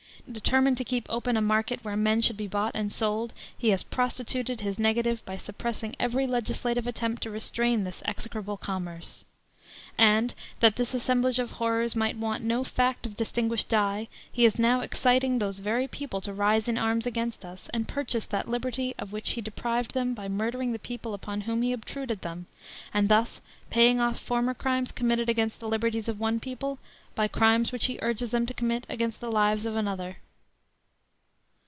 Determined to keep open a market where men should be bought and sold, he has prostituted his negative by suppressing every legislative attempt to restrain this execrable commerce. And, that this assemblage of horrors might want no fact of distinguished dye, he is now exciting those very people to rise in arms against us, and purchase that liberty of which he deprived them by murdering the people upon whom he obtruded them, and thus paying off former crimes committed against the liberties of one people by crimes which he urges them to commit against the lives of another."